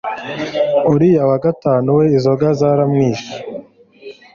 uriya wa gatanu we izoga zaramwishe